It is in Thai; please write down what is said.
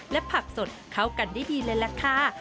และผักสดเข้ากันได้ดีเลยล่ะค่ะ